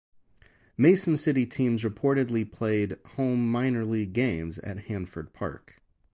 Mason City teams reportedly played home minor league games at Hanford Park.